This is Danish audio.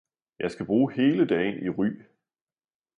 Jeg skal bruge hele dagen i Ry